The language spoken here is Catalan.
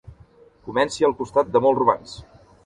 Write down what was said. Comenci al costat de molts romans.